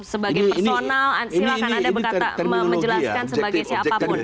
sebagai personal silahkan anda berkata menjelaskan sebagai siapapun